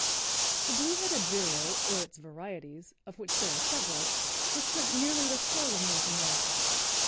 _) The Blue headed Vireo, or its varieties, of which there are several, frequent nearly the whole of North America.